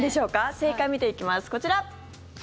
正解を見ていきます、こちら！